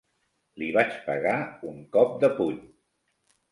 Li vaig pegar un cop de puny.